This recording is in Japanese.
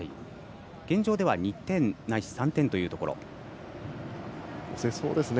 現状では２点ないし３点というところ。